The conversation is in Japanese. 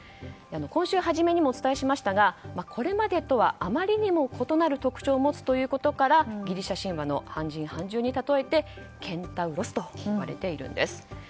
今週初めにもお伝えしましたがこれまでとはあまりにも異なる特徴を持つということからギリシャ神話の半人半獣に例えてケンタウロスといわれているんです。